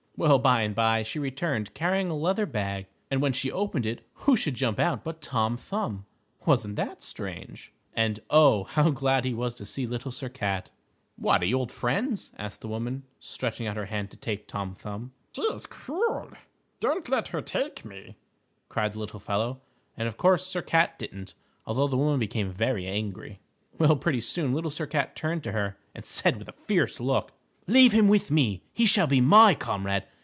Well, by and by, she returned carrying a leather bag, and when she opened it, who should jump out but Tom Thumb. Wasn't that strange? And, oh, how glad he was to see Little Sir Cat. "What! Are you old friends?" asked the woman, stretching out her hand to take Tom Thumb. "She is cruel, don't let her take me," cried the little fellow, and of course Sir Cat didn't, although the woman became very angry. Well, pretty soon Little Sir Cat turned to her and said with a fierce look, "Leave him with me. He shall be my comrade.